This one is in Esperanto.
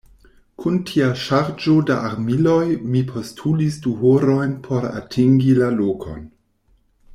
Kun tia ŝarĝo da armiloj mi postulis du horojn por atingi la lokon.